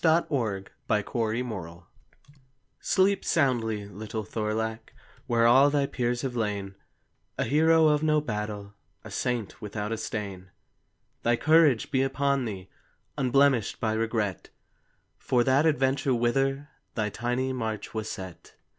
A NORSE CHILD'S REQUIEM Sleep soundly, little Thorlak, Where all thy peers have lain, A hero of no battle, A saint without a stain! Thy courage be upon thee, Unblemished by regret, For that adventure whither Thy tiny march was set.